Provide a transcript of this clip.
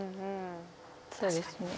そうですね。